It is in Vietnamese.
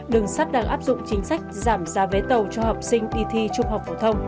đường sắt đang áp dụng chính sách giảm giá vé tàu cho học sinh kỳ thi trung học phổ thông